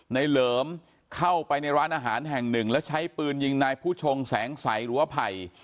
เหลิมเข้าไปในร้านอาหารแห่งหนึ่งแล้วใช้ปืนยิงนายผู้ชงแสงสัยหรือว่าไผ่